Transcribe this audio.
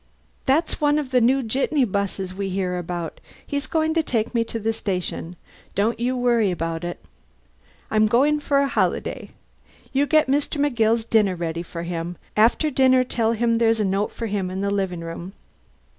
"That's one of the new jitney 'buses we hear about. He's going to take me to the station. Don't you worry about me. I'm going for a holiday. You get Mr. McGill's dinner ready for him. After dinner tell him there's a note for him in the living room."